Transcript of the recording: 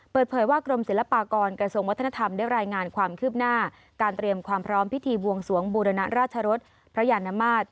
เปิดเผยว่ากรมศิลปากรกระทรวงวัฒนธรรมได้รายงานความคืบหน้าการเตรียมความพร้อมพิธีบวงสวงบูรณราชรสพระยานมาตร